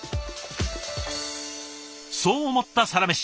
そう思った「サラメシ」